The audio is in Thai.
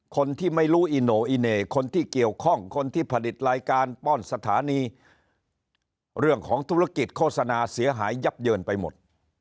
คนที่ไม่รู้อีโน่อีเหน่คนที่เกี่ยวข้องคนที่ผลิตรายการป้อนสถานีเรื่องของธุรกิจโฆษณาเสียหายยับเยินไปหมด